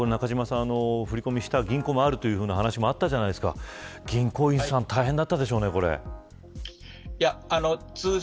中島さん、別の手段で振り込みした銀行もあるという話もありましたが銀行員さんは大変だったでしょうね。